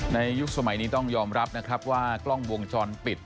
ยุคสมัยนี้ต้องยอมรับนะครับว่ากล้องวงจรปิด